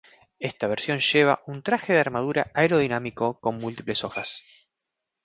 Esta versión lleva un traje de armadura aerodinámico con múltiples hojas.